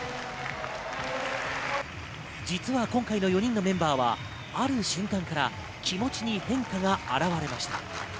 実は今回の４人のメンバーは、ある瞬間から気持ちに変化が現れました。